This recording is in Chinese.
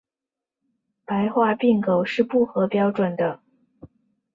白化病狗是不合标准的。